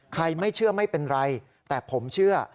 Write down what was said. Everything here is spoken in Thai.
ไม่เชื่อไม่เป็นไรแต่ผมเชื่อ